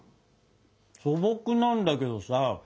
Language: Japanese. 素朴なんだけどさ